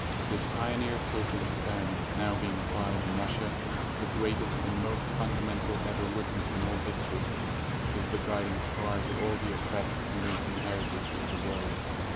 This pioneer social experiment now being tried in Russia — the greatest and most fundamental ever witnessed in all history — is the guiding star to all the oppressed and disinherited of the world.